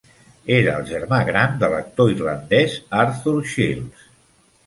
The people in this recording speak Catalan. Era el germà gran de l'actor irlandès Arthur Shields.